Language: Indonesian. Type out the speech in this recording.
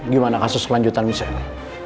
gimana kasus kelanjutan misalnya